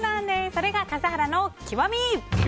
それが笠原の極み。